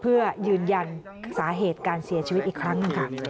เพื่อยืนยันสาเหตุการเสียชีวิตอีกครั้ง